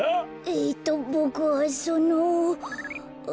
えっとボクはその。